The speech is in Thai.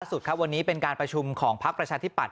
สุดครับวันนี้เป็นการประชุมของพักประชาธิปัต